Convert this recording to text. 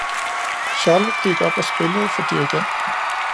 Charlot gik op og spillede for Dirigenten.